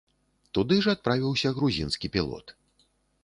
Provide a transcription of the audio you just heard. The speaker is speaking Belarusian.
Туды ж адправіўся грузінскі пілот.